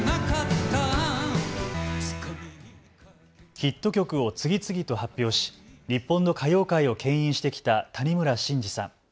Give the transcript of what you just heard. ヒット曲を次々と発表し日本の歌謡界をけん引してきた谷村新司さん。